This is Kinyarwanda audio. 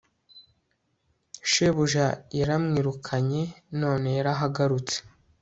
shebuja yaramwirukanye none yarahagarutse